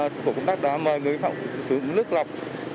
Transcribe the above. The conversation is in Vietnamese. tổ công tác đã mời người phạm sử dụng nước lọc